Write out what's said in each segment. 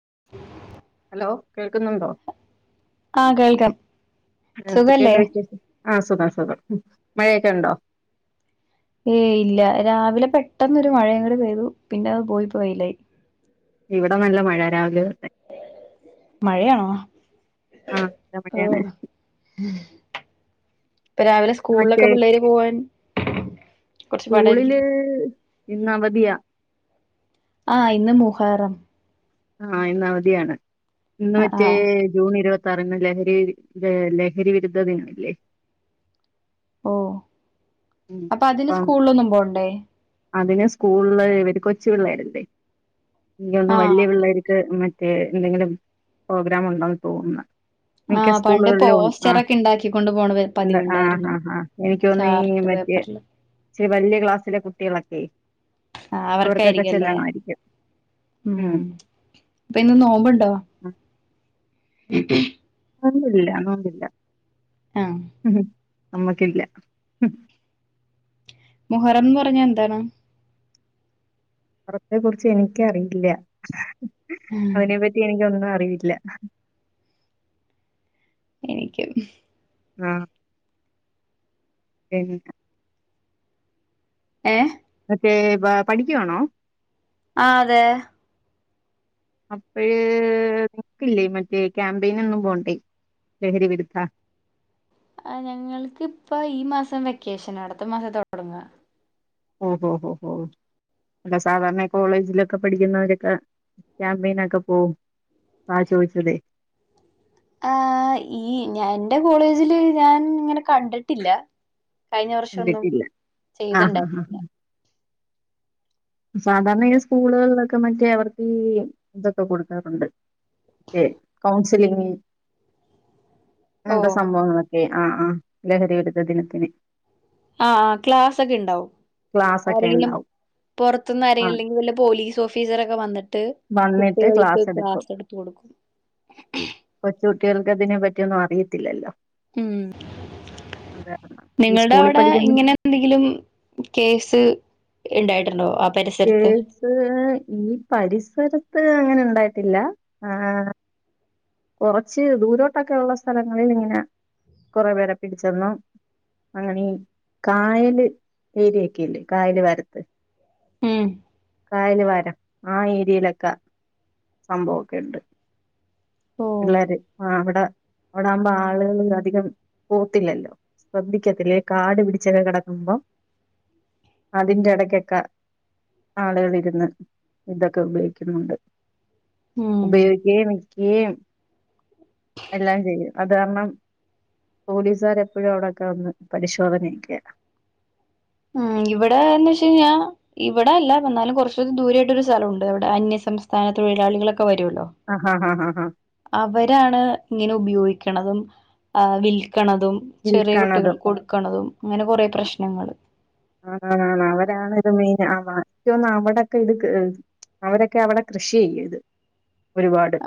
[unintelligible] Hello കേൾക്കുന്നുണ്ടോ ആഹ് കേൾക്കാം സുഖല്ലേ എന്തൊക്കെയണ്ട് വിശേഷം ആ സുഖം സുഖം ഉ മഴയൊക്കെ ഉണ്ടോ ഏയ് ഇല്ല രാവിലെ പെട്ടന്ന് ഒരു മഴയും കൂടി പെയ്തു പിന്നെ അത് പോയി പോയില്ലായി ഇവിടെ നല്ല മഴ രാവല് മഴയാണോ ആ നല്ല ഓ മഴയാണ് രാവിലെ ഇന്ന് മറ്റേ സ്കൂളിലൊക്കെ പിള്ളേര് പോവാൻ കുറച്ച് പാടായിരിക്കും സ്കൂളില് ഇന്ന് അവധിയാ ആഹ ഇന്ന് മുഹറം ആഹ ഇന്ന് അവധിയാണ് ഇന്ന് ആഹ് മറ്റേ ആഹ് ജൂൺ ഇരുപത്തി പറുന്ന ലഹരി ലഹരിവിരുദ്ധദിനമല്ലേ ഓ അപ്പൊ അതിന് അപ്പം സ്കൂളിലൊന്നും പോണ്ടേ അതിന് സ്കൂളില് ഇവ കൊച്ചു പിള്ള ആരല്ലേ ഇ ഒന്ന്ും വലിയ ആഹ് പിള്ളർക്ക് മ മറ്റേ എന്തെങ്കിലും പ്രോഗ്രാം ഉണ്ടെന്ന് തോന്നുന്നത് മിക്ക ആഹ് പണ്ട് സ്കൂളുകളിലും ആ പോസ്റ്ററൊക്കെ ഉണ്ടാക്കിക്കൊണ്ട് പോണ ഉണ്ട് ആ പതിവുണ്ടായിരുന്നു ആ ആ എനിക്കൊന്ന് ചാർട്ട് പേപ്പറില് രി വലിയ ക്ലാസ്സിലെ കുട്ടികളൊക്കെ ആ അവർക്ക അവർക്കൊക്കെ ആായിരിക്കുംല്ലേ ചെല്ലണമായിരിക്കും. ഉം പ്പൊ ഇന്ന നോമ്പുണ്ടോ ഇപ്പ [unintelligible] നന്നില്ല നോണ്ടില്ല ആഹ നമ്മക്കില്ല മുഹറന്ന് പറഞ്ഞ എന്താണ് മുഹറത്തെ കുറിച്ച് എനിക്കറിയില്ല അതിനെ പറ്റി എനിക്ക ഒന്നുംറി ല്ല എനക്ക്ും ആഹ എനിക്ക് ഏ മറ്റേബാ പഠിക്കുവാണോ ആ അതെ അപ്പഴ നിങ്ങക്കില്ലേ മറ്റേ ക്യാമ്പയിന ഒന്നും പോണ്ടെ ലഹരി വിടുത്ത ആ ഞങ്ങൾക്ക് ഇപ്പ ഈ മാസം വെക്കേഷൻ അടുത്ത മാസം തൊടങ്ങ ഹോ ഹോ ഹോ ഹോ അല്ല സാധാരണ കോളേജിലൊക്കെ പഠിക്കുന്നവരൊക്കെ ക്യാമ്പയിനൊക്കെ പോവും ആ ചോദിച്ചതേ ആ ഈ ഞാൻ എന്റെ കോളേജില് ഞാൻ ഇങ്ങനെ കണ്ടിട്ടില്ല കഴിഞ്ഞ വർഷംൊന്നും കണ്ടിട്ടില്ല ആഹ് ആഹ് ആഹ് ചെയ്തുണ്ടായിരുന്നില്ല [unintelligible] സാധാരണ ഈ സ്കൂളുകളിലൊക്കെ മറ്റേ അവർക്ക് ഇതൊക്കെ കൊടുക്കാറുണ്ട് െ കൗൺസിലിംഗ ഓ അങ്ങനത്തെ സംഭവങ്ങളൊക്കെ ആ ആ ലഹരി വിരുദ്ധ ദിനത്തിന് ആ ആ് ക്ലാസ് ഒക്കെ ഉണ്ടാവും ക്ലാസ് ഒക്കെ ആരെങ്കിലും ഉണ്ടാവും പുറത്തുന്ന് ആ ആരെങ്കിലുംങ്കിൽ വല പോലീസ് ഓഫീസർ ഒക്കെ വന്നിട്ട് വന്നിട്ട് കുട്ടികൾക്ക് എടുക്കും ക്ലാസ് എടുത്ത കൊടുക്കും കു കുട്ടികൾക്ക്തിനെ പറ്റിയൊന്നും അറിയത്തില്ലല്ലോ ഉം അത് കാരണം ഈ നിങ്ങളുടെ സ്കൂളിൽ അവിടെ പഠിക്കുന്ന ഇങ്ങനെ എന്തെങ്കിലും കേസ് ഉണ്ടായിട്ടുണ്ടോ കേസ് ഈ പരിസ്ഥ സരത്ത് അങ്ങനെ ഉണ്ടായിട്ടില്ല ആ കുറച്ച് ദൂരോട്ടൊക്കെ ഉള്ള സ്ഥലങ്ങളിൽ ഇങ്ങനെ കൊറെ പേരെ പിടിച്ചെന്നും അങ്ങനെ കായല് ഏരിയൊക്കെ ഇല്ലേ കായല് വരത്ത് ഉം കായല് വാരം ആ ഏരിയയിലൊക്കെ സംഭവൊക്കെണ്ട് ഓ പിള്ളേര് അവിടെ അവിടെ ആകുമ്പോ ആളുകൾ അധികം പോത്തില്ലല്ലോ ശ്പധിക്കത്തില് കാട് പിടിച്ചൊക്കെ കിടക്കുമ്പോം അതിന്റെ ഇടക്കൊക്കെ ആളുകള ഇരുന്ന് ഇതൊക്കെ ഉപയോഗിക്കുന്നുണ്ട് ഉം ഉപയോഗിക്കുകയും വിക്കുകയും എല്ലാം ചെയ്യും അത് കാരണം പോലീസാര് എപ്പോഴും അവിടൊക്കെ ഒന്ന് പരിശോധനക്കില്ല ഉം ഇവിടെ എന്ന് വെ കഴിഞ്ഞാൽ ഇവിടെ അല്ല എന്നാലും കൊറച്ച് ദൂരായിട്ടൊ ഒരു സ്ഥലംണ്ട് ഇവിടെ അന്യം സംസ്ഥാനതൊഴിലാളികളൊക്കെ വരുല്ലോ ആ ഹാ ഹാ ഹാ ഹാ അവരാണ് ഇങ്ങനെ ഉപയോഗിക്ക വിൽക്കണതും ചെറിയ വിൽക്കണതും കുട്ടികൾക്ക് കൊടുക്കുന്നതും അങ്ങനെ കുറെേ പ്രശ്ന പ്രശ്നങ്ങൾ ആണ് ആണ് ആണ് അവരാണ്ത് മീൻ ആന്ന് അവിടെക്കെ ഇടു അവരൊക്കെ അവിടെ കൃഷി ചെയ്യ ഇത്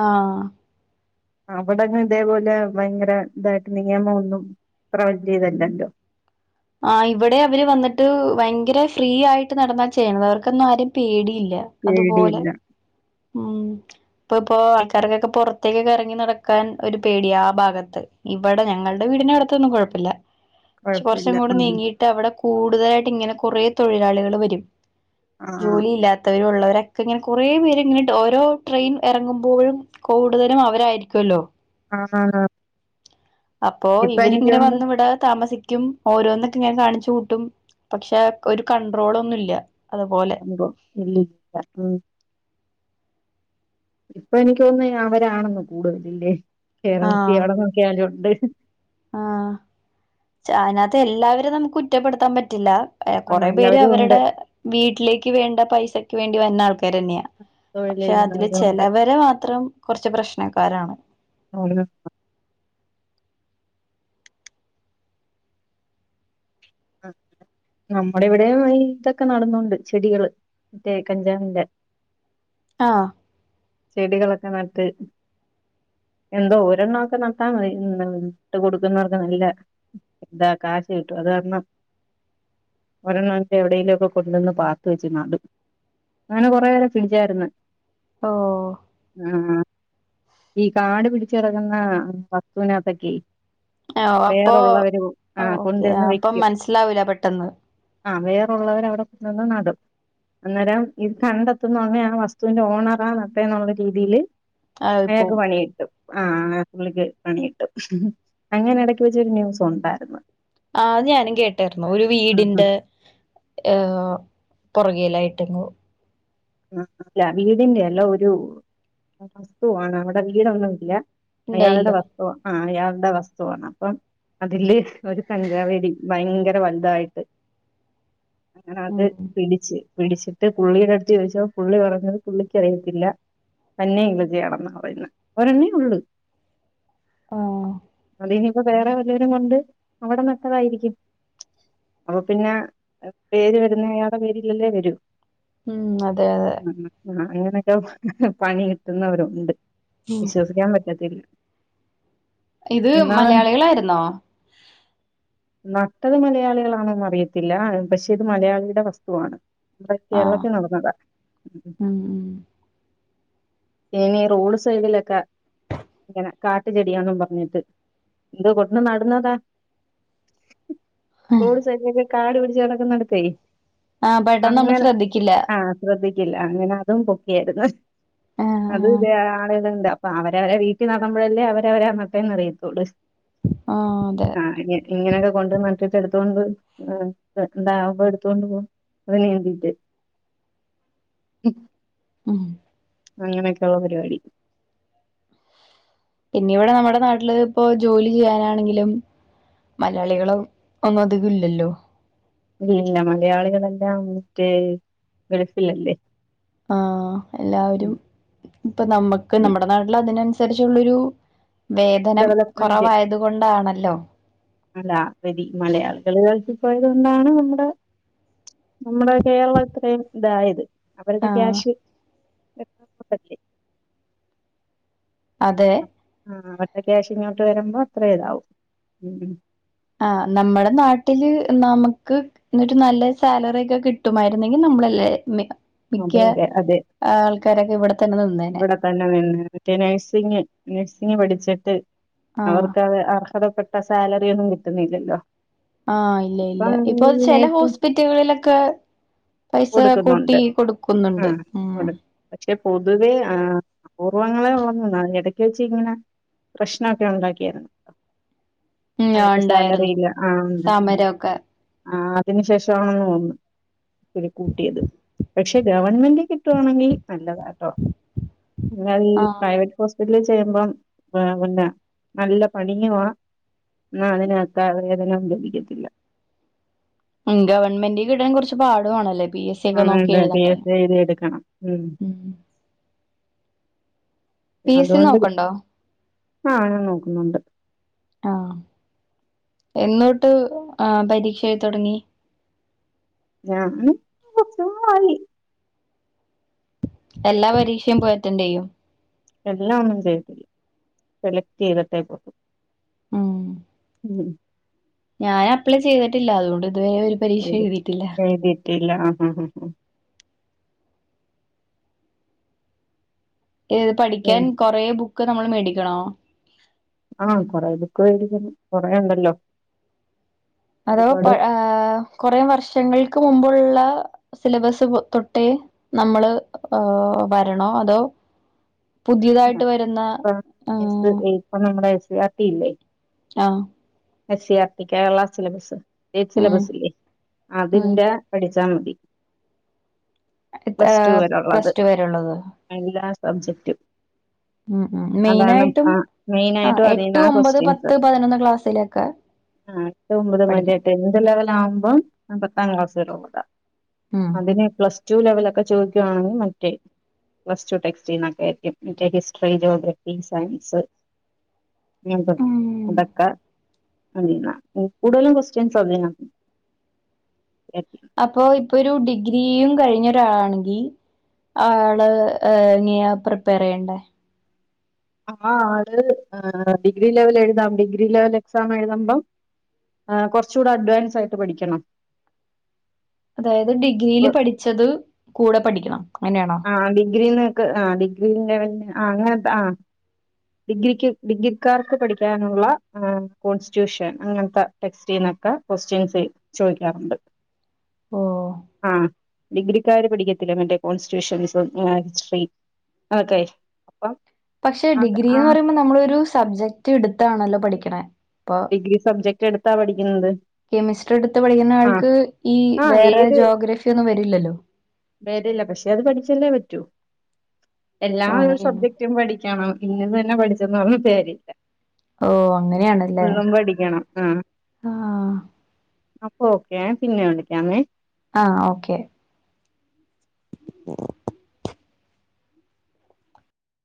ആഹ് അവിടെ ഇതേപോലെ ഭയങ്കര ഇതായിട്ട് നിയമംന്നും പ്രവർത്തിതല്ലണ്ടോ ആ ഇവിടെ അവര് വന്നിട്ട് ഭയങ്കര ഫ്രീ ആയിട്ട് നടന്നാ ചെയ്യത് അവർക്കൊന്നും ആരും പേടിയില്ല അതുപോലെ പേടിയില്ല. ഉം ഇപ്പൊ ഇപ്പോ ആൾക്കാർക്കൊക്കെ പുറത്തേക്കൊക്കെ ഇറങ്ങി നടക്കാൻ ഒരു പേടിയാ ആ ഭാഗത്ത് ഇവിടെ ഞങ്ങളുടെ വീടിന ടത്തൊന്നും കുഴപ്പില്ല പക്ഷെ കൊഴപ്പില്ല. കുറച്ചും കൂടെ ആഹ്. നീങ്ങീട്ട് അവിടെ കൂടുതലായിട്ട് ഇങ്ങനെ കുറെ തൊഴിലാളികൾ വരും ജോലി ഇല്ലാത്തവരുള്ളവർ ഇക്കെ ഇങ്ങനെ കൊറേ പേര് ഇങ്ങനട്ട് ഓരോ ട്രെയിൻ ഇറങ്ങുമ്പോഴും കൂടുതലും അവരായിരിക്കുമല്ലോ ആഹ് ആ ആ അപ്പോ ഇവരിങ്ങനെ വന്ന് ഇവിട താമസി ക്കും ഓരോന്നൊക്കെ ങ്ങനെ കാണിച്ചു കൂട്ടും പക്ഷെ ഒരു കൺട്രോൾ ഒന്നുംല്ല നോ ഇല്ലഗല്ല ഉം ഇപ്പൊ എനിക്ക് തോന്ന അവരാണെന്ന് കൂടുതലില്ലേ കേരളത്തില് നോക്കി ആഹ് എവിടെ നോക്കിയാലുംണ്ട് ആഹ് അതിനകത്ത് എല്ലാവരും നമുക്ക് കുറ്റപ്പെടുത്താൻ പറ്റില്ല ആഹ് കൊറെ പേര് നല്ലവരും ഉണ്ട്. അവരുടെ വീട്ടിലേക്ക് വേണ്ട പൈസക്ക് വേണ്ടി വന്ന ആൾ പേരെന്നെയാ തൊഴിൽ പക്ഷെ അതില് ചെയ്യുന്നവരും ഉണ്ട്. ചെലവരെ മാത്രം കുറച്ച് പ്രശ്നക്കാരാണ് ആ ആഹ് നമ്മുടെ ഇവിടെ ഇതൊക്കെ നടന്നൊണ്ട് ചെടികൾ മറ്റേ കഞ്ചാവിൻ്റെ ആഹ് ചെടികളൊക്കെ നട്ട് എന്തോ ഒരെണ്ണമൊക്കെ നട്ടാൽ മതി ഇട്ട് കൊടുക്കുന്നവർക്ക് നല്ല ഇതാ കാശ് കിട്ടും അത് കാരണം ഒരണ്ണാന്റെ എവിടേലുമൊക്കെ കൊണ്ടുവന്ന് പാത്ത് വെച്ച് നാടും അങ്ങനെ കൊറെേ പേരെ പിടിച്ചായിന്ന് ഓ ഈ കാടു പിടിച്ചിറങ്ങുന്ന വസ്തുവിനകത്തൊക്കെ ഓ അപ്പൊ വേറുള്ളവര ഓ ആ ഓക്കെ കൊണ്ടുവന്ന് അപ്പം വെക്കും മനസ്സിലാവൂല പെട്ടെന്ന് ആ വേറൊള്ളവർ അവിടെ കൊണ്ട് വന്ന് നടും അന്നേരം ഇത് കണ്ടെത്തുന്ന [inaudible] ആ വസ്തുവിന്റെ ഓണറാ നട്ടേന്നുള്ള രീതിൽ ആ ഇപ്പം അയാക്ക് പണി കിട്ടും ആഹ് ആ പുള്ളിക്ക് പണികിട്ടും അങ്ങനെ ഇടക്ക് വെച്ചൊരു ന്യൂസ് ഉണ്ടായിരുന്നു ആഹ് അത് ഞാനും കേട്ടായിരുന്നു ഒരു ആഹ് വീടിന്റെ ഏഹ് പുറകയിലായിട്ടെങ്ങും ല്ല വീടിന്റെല്ല ഒരു വസ്തുവാണ് അവിടെ വീടൊന്നുവില്ല അയാളുടെ ഉണ്ടായില്ല വസ്തുവ അഹ് അയാ വസ്തുവാണ് അപ്പം അതില് ഒരു കഞ്ചാവേടി ഭയങ്കര വലുതായിട്ട് അങ്ങനെ അത് ഉം പിടിച്ച് പിടിച്ചിട്ട് പുള്ളിയുടെ അടുത്ത് ചോദിച്ചപ്പോ പുള്ളി പറഞ്ഞത് പുള്ളിക്കറിയത്തില്ല തന്നെ കിളിച്ചേയാണെന്ന പറയുന്നേ ഒരെണ്ണേ ഉള്ളൂ ആ അല്ലനിയിപ്പ വേറെ വല്ലരും കൊണ്ട് അവിടെ നട്ടതായിരിക്കും അപ്പൊ പിന്നെ പേര് വരുന്ന അയാടെ പേരിലല്ലേ വരൂ ഉം അതെ അതെ ഉം. ആ, അങ്ങനൊക്കെ പണി കിട്ടുന്നവരുണ്ട് ഉം വിശ്വസിക്കാൻ പറ്റത്തില്ല ഇത് എന്നാൽ മലയാളികളായിരുന്നോ നട്ടത് മലയാളികളാണെന്ന് അറിയത്തില്ല പക്ഷെ ഇത് മലയാളിയുടെ വസ്തുവാണ് ഇവിടെ ആ കേരളത്തിൽ നടന്നതാ ഉം ഇനി റോഡ് സൈഡിലൊക്കെ ഇങ്ങനെ കാട്ടു ചെടിയാന്നും പറഞ്ഞിട്ട് എന്തോ കൊണ്ട് നടന്നുത റോഡ് സൈടിലൊക്കെ കാട് പിടച്ച് കാട് പിടിച്ച് കെടക്കുന്നടത്തെ ആഹ് പെട്ടെന്ന് നമ്മ ശ്രദ്ധിക്കില്ല ക്കില്ല അങ്ങനെ അതും പൊക്കിയയിരുന്നു ആ അത് ആ ഇതെ [inaudible] ഇപ്പ അവരവരെ വീട്ടിൽ നടന്ന്പോഴല്ലേ അവരവര നട്ടെന്ന് അറിയത്തോള് ആ അതെ ആ ഇ ഇങ്ങനെയൊക്കെ കൊണ്ട് നട്ടിട്ട് എടു എടുത്തണ്ട് [inaudible] ഉം ഉം അങ്ങനൊക്കുള്ള പരിപാടി പിന്നെ ഇവിടെ നമ്മുടെ നാട്ടില് ഇപ്പോ ജോലി ചെയ്യാനാണെങ്കിലും മലയാളികളോ ഒന്നും അധികം ഇല്ലല്ലോ ഇല്ലില്ല മലയാളികളെല്ലാം മറ്റേ ഗൾഫിലല്ലേ ആഹ് എല്ലാവരും ഇപ്പൊ നമ്മക്ക് നമ്മടെ നാട്ടിൽ അതിനനുസരി അനുസരിച്ചുള്ളൊരു വേതനം കുറവായത് കൊണ്ടാണല്ലോ അല്ലാ വിതി മലയാളികള് ഗൾഫിൽ പോയത് കൊണ്ടാണ് നമ്മുടെ നമ്മുടെ കേരളം ഇത്രയും ഇതായത് അവരുടെ ആഹ് ക്യാഷ് [inaudible] അതെ ആഹ് അവരുടെ ക്യാഷ് ഇങ്ങോട്ട് വരുമ്പോ അത്രേയിതവും ആ നമ്മുടെ നാട്ടില് നമുക്ക് [inaudible] നല്ല സാലറി ഒക്കെ കിട്ടുമായിരുന്നെങ്കിൽ ന [inaudible] മിക്ക അതെ അതെ അതെ ആൾക്കരൊക്കെ ഇവിടെ തന്നെ നിന്ന് മറ്റേ നഴ്സിങ് നഴ്സിംങ് പഠിച് ആഹ് അവർക്ക് അ അർഹതപ്പെട്ട സാലറി ഒന്നും കിട്ടുന്നില്ലല്ലോ ആഹ് ഇല്ല ഇല്ല അപ്പം ഇപ്പൊ ഈ ചില നഴ്സിംഗ് ഹോസ്പിറ്റലുകളിലൊക്കെ പൈസ കൂട്ടി കൊടുക്കുന്നുണ്ട് ആ കൊടുക്കുന്നുണ്ട് ഉം കൊടു പക്ഷെ പൊതുവെ ആ അപൂർവ്വങ്ങളെ ഉള്ള് ഇടക്ക് വെച്ച ഇങ്ങനെ പ്രശ്നൊക്കെ ഉണ്ടാക്കിയായിരുന്നു ഉം ആഹ് അവർക്ക് സാലറി ഉണ്ടായിരുന്നു ഇല്ല ആഹ് സമരമൊക്കെ ആ അതിനന് ശേഷമാണെന്ന് തോന്നുന്നു ഇച്ചിരി കൂട്ടിയത് പക്ഷെ ഗവൺമെന്റി കിട്ടുവാണെങ്കി നല്ലതാട്ടോ, എന്നാ ഈ ആഹ് പ്രൈവറ്റ് ഹോസ്പിറ്റല ചെയ്യുമ്പം പിന്നെ നല്ല പണിയുവാ എന്നാ അതിനുതക്ക വേതനം ലഭിക്കത്തില്ല. ഉം ഗവൺമെന്റി കിട്ടാൻ കുറച്ച് പാടുവാണല്ലേ? പി എസ് സി ഒക്കെ നോക്കി ആണ്ട് പി എഴുതണ്ടേ എസ് എഴുതി എടുക്കണം ഉം പി എസ് സി അതുകൊണ്ട് നോക്കണ്ടോ? ആ ഞാൻ നോക്കുന്നൊണ്ട്. ആ എന്ന്വട്ട് ആ പരീക്ഷയെഴുതുടങ്ങി? ഞാന് കൊറച്ചുനാളായി. എല്ലാ പരീക്ഷയും പോയറ്റൻഡ് ചെയ്യോ? എല്ലാം ഒന്നും ചെയ്തിട്ടില്ല സെലക്ട് ചെയ്തിട്ടേ പോകത്തൊള്ളൂ.. ഉം ഉം ഞാൻ അപ്ലൈ ചെയ്തിട്ടില്ല. അതുകൊണ്ട് ഇതുവരെ ഒരു പരീക്ഷെ എഴുതിയിട്ടില്ല. ഇല്ല ആ ആ ആ ഏത് പഠിക്കാൻ ഉം കൊറേ ബുക്ക് നമ്മള് മേടിക്കണോ? ആ കൊറേ ബുക്ക് മേടിക്കണം കൊറേയൊണ്ടല്ലോ. അഥവാ പ ആ കൊറേ വർഷങ്ങൾക്ക് മുമ്പുള്ള സിലബസ് തൊട്ടേ നമ്മള് അ വരണോ അതോ? പുതിയതായിട്ട് വരുന്ന അല്ലടാ ആഹ് [unintelligible] ഇപ്പ നമ്മുടെ എസ് സി ആർ ടി ഇല്ലേ? ആ S C R T Kerala syllabus state ഉം സിലബസ്സില്ലേ ഉം അതിന്റെ പഠിച്ച ച്ചാ മതി, പ്ലസ് ടു വരേ ഒള്ളത്, പ്ലസ് ടു വരെ ഉള്ളത് എല്ലാ സബ്ജെക്ടും. ഉം ഉം അതാണ് മെയിനായിട്ടും ആ ആ മെയിനായിട്ടും എട്ട് അതീന്നാ ഒമ്പത് ക്വസ്റ്റ്യൻസ്. പത്ത് പതിനൊന്ന് ക്ലാസ്സിലൊക്കെ ആ എട്ട് ഒമ്പത് പഠിക്കണം മതിട്ടോ ഇന്റെ ലെവലാവുമ്പോ ഞാൻ പറ പത്താം ക്ലാസ് വരേ ഒള്ളതാ അതിനെ പ്ലസ് ടു ലെവലൊക്കെ ചോദിക്കുവാണെങ്കിൽ മറ്റേ പ്ലസ് ടു ടെക്സ്റ്റീന്നൊക്കെ ആയിരിക്കും. മറ്റേ ഹിസ്റ്ററി ജോഗ്രഫി സയൻസ് [unintelligible] ഉം അതൊക്കെ അതീന്നാ, കൂടുതലും കൊസ്റ്റ്യൻസ് അതീന്നാ. എ അപ്പൊ, ഇപ്പൊ ഒരു ഡിഗ്രിയും കഴിഞ്ഞ ഒരാളാണെങ്കി ആള് ഇനിയ പ്രിപ്പയർ ചെയ്യണ്ടേ? ആ ആള് ഡിഗ്രി ലെവൽ എഴുതാം, ഡിഗ്രി ലെവൽ എക്സാം എഴുതുമ്പം ആ കൊറച്ചൂടെ അഡ്വാൻസ് ആയിട്ട് പഠിക്കണം. അതായത് ഡിഗ്രിയില് പഠിച്ചത് കൂടെ പഠിക്കണം. അങ്ങനെയാണോ ആ ഡിഗ്രിന്ന്ക്ക് ആ ഡിഗ്രി ലെവല ആ അങ്ങനെ ആ. ഡിഗ്രിക്ക് ഡിഗ്രിക്കാർക്ക് പഠിക്കാനുള്ള കോൺസ്റ്റിറ്റ്യൂഷൻ അങ്ങനത്തെ ടെക്സ്റ്റീന്ന് ക്കെ ക്വസ്റ്റ്യൻസ് ചോദിക്കാറുണ്ട്. ഓ ആ ഡിഗ്രിക്കാര് പഠിക്കത്തില്ലേ മറ്റേ കോൺസ്റ്റിറ്റ്യൂഷൻസും ഹിസ്ട്രി ഓക്കെ അപ്പം പക്ഷെ അത് ഡിഗ്രി എന്ന് ആഹ് പറയുമ്പം നമ്മളൊരു സബ്ജക്ട് എടുത്താണല്ലോ പഠിക്കണേ. ഇപ്പൊ ഡിഗ്രി സബ്ജക്ട് എടുത്താ പഠിക്കുന്നത്. കെമിസ്ട്രി എടുത്ത് പഠിക്കുന്ന ആഹ് ആൾക്ക് ഈ വേറെ ജോഗ്രഫി ഒന്നും വരില്ലല്ലോ? വരില്ല, പക്ഷെ അത് പഠിച്ചല്ലേ പറ്റൂ എല്ലാ ഓ അങ്ങനെയാണ് സബ്ജക്ടും പഠിക്കണം. ഇന്നത് തന്നെ പഠിച്ചേന്ന പറഞ്ഞ കാര്യല്ല. ഓ അങ്ങനെയാണല്ലേ ഫുള്ളും പഠിക്കണം ആ. ആഹ് അപ്പ ഓക്കെയെ പിന്നെ വിളിക്കാമേ. ആ ഓക്കെ.